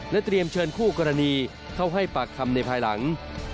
เตรียมเชิญคู่กรณีเข้าให้ปากคำในภายหลัง